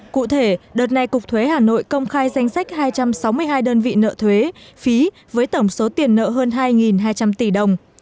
cụ thể đợt này cục thuế hà nội công khai danh sách hai trăm sáu mươi hai đơn vị nợ thuế phí với tổng số tiền nợ hơn hai hai trăm linh tỷ đồng